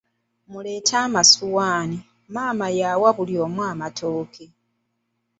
Muleete amasowaani, maama yawa buli omu amatooke.